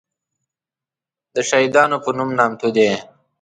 دشهیدانو په نوم نامتو دی.